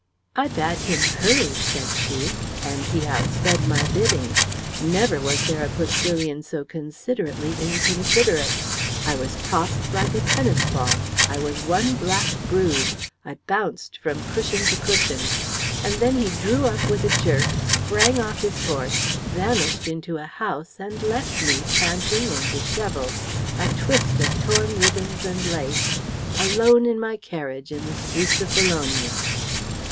"I bade him hurry," said she, "and he outsped my bidding. Never was there a postillion so considerately inconsiderate. I was tossed like a tennis ball, I was one black bruise, I bounced from cushion to cushion; and then he drew up with a jerk, sprang off his horse, vanished into a house and left me, panting and dishevelled, a twist of torn ribbons and lace, alone in my carriage in the streets of Bologna."